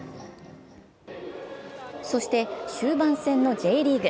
そして終盤戦のＪリーグ。